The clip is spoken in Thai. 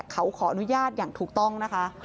เขาขออนุญาตอย่างถูกต้องนะคะ